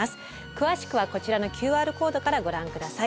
詳しくはこちらのＱＲコードからご覧下さい。